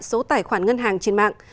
số tài khoản ngân hàng trên mạng